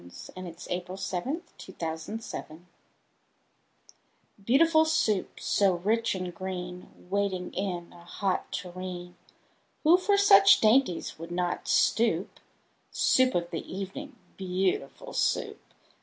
] Lewis Carroll Beautiful Soup BEAUTIFUL Soup, so rich and green, Waiting in a hot tureen! Who for such dainties would not stoop? Soup of the evening, beautiful Soup!